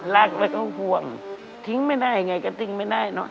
รักแล้วก็ห่วงทิ้งไม่ได้ไงก็ทิ้งไม่ได้เนอะ